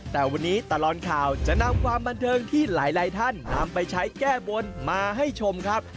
แต่วันนี้ตลอดข่าวจะนำความบันเทิงที่หลายท่านนำไปใช้แก้บนมาให้ชมครับ